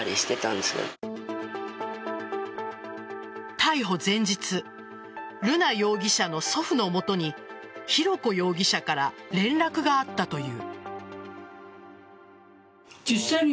逮捕前日瑠奈容疑者の祖父のもとに浩子容疑者から連絡があったという。